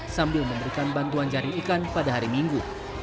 sambil memberikan bantuan jari ikan pada hari minggu